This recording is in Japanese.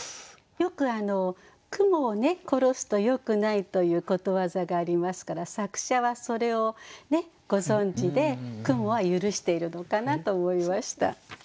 よく蜘蛛を殺すとよくないということわざがありますから作者はそれをご存じで蜘蛛は許しているのかなと思いました。